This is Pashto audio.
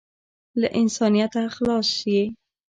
له انسانیته خلاص یې .